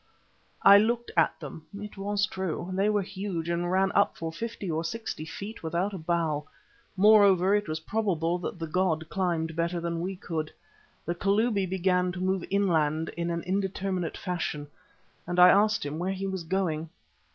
I looked at them, it was true. They were huge and ran up for fifty or sixty feet without a bough. Moreover, it was probable that the god climbed better than we could. The Kalubi began to move inland in an indeterminate fashion, and I asked him where he was going.